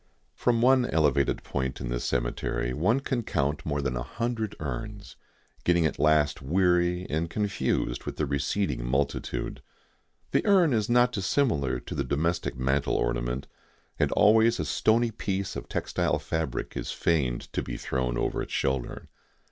From one elevated point in this cemetery one can count more than a hundred urns, getting at last weary and confused with the receding multitude. The urn is not dissimilar to the domestic mantel ornament, and always a stony piece of textile fabric is feigned to be thrown over its shoulder.